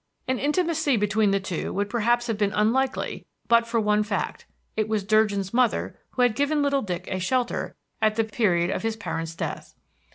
An intimacy between the two would perhaps have been unlikely but for one fact: it was Durgin's mother who had given little Dick a shelter at the period of his parents' death.